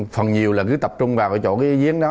phần nhiều là cứ tập trung vào cái chỗ cái giếng đó